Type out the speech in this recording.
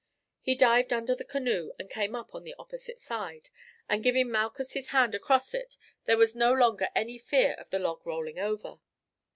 He dived under the canoe, and came up on the opposite side, and giving Malchus his hand across it, there was no longer any fear of the log rolling over.